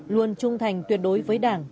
luôn trung thành tuyệt đối với đảng